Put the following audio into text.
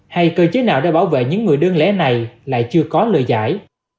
hay cơ chế nào đã bảo vệ những người đơn lẽ này lại chưa có lời giải